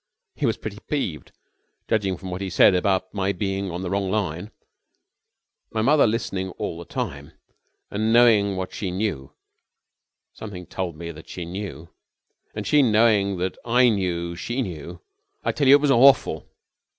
He was pretty peeved, judging from what he said about my being on the wrong line. And mother listening all the time, and I knowing that she knew something told me that she knew and she knowing that I knew she knew I tell you it was awful!"